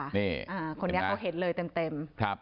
นี่คนนี้เขาเห็นเลยเต็ม